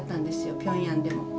ピョンヤンでも。